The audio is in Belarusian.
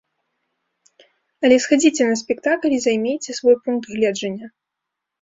Але схадзіце на спектакль і займейце свой пункт гледжання.